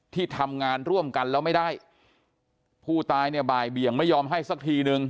ที่ทำงานร่วมกันแล้วไม่ได้ผู้ตายเนี่ยบ่ายเบี่ยงไม่ยอมให้สักทีนึง